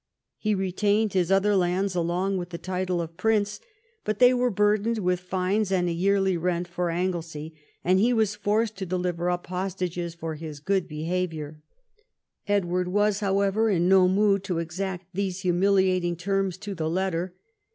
He retained his other lands, along with the title of prince ; but they were burdened with fines and a yearly rent for Anglesey, and he was forced to deliver up hostages for his good behaviour. Edward was, however, in no mood to exact these humiliating terms to the letter.